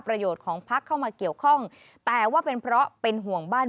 ของพักเข้ามาเกี่ยวข้องแต่ว่าเป็นเพราะเป็นห่วงบ้าน